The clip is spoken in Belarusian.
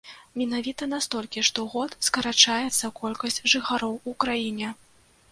Менавіта на столькі штогод скарачаецца колькасць жыхароў у краіне.